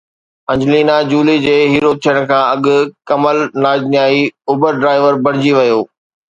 Angelina Jolie جي hero ٿيڻ کان اڳ ڪمل نانجياڻي اوبر ڊرائيور بڻجي ويو